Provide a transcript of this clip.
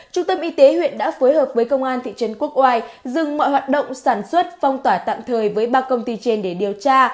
trung tâm y tế huyện đã phối hợp với công an thị trấn quốc oai dừng mọi hoạt động sản xuất phong tỏa tạm thời với ba công ty trên để điều tra